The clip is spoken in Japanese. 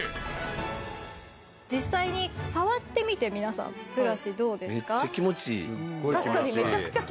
実際に触ってみて皆さんブラシどうですか？